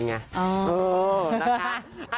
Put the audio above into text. เออนะคะ